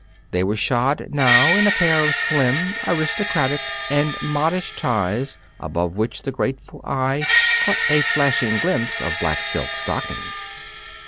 They were shod now, in a pair of slim, aristocratic, and modish ties above which the grateful eye caught a flashing glimpse of black silk stocking.